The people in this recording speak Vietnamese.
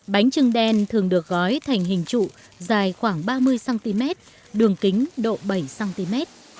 bánh trưng đen thường được gói thành hình trụ dài khoảng ba mươi cm đường kính độ bảy cm